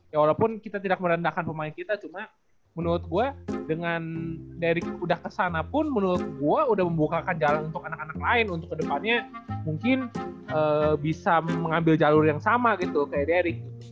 ya walaupun kita tidak merendahkan pemain kita cuma menurut gue dengan dari udah kesana pun menurut gue udah membukakan jalan untuk anak anak lain untuk kedepannya mungkin bisa mengambil jalur yang sama gitu kayak dari erick